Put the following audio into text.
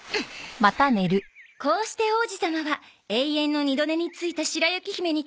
「こうして王子様は永遠の二度寝についた白雪姫にキスをして」